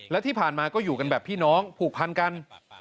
และที่ผ่านมาก็อยู่กันแบบพี่น้องผูกพันกัน